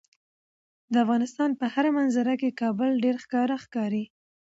د افغانستان په هره منظره کې کابل ډیر ښکاره ښکاري.